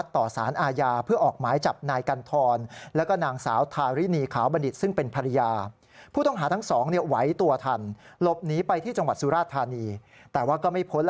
ที่จังหวัดสุราธารณีแต่ว่าก็ไม่พ้น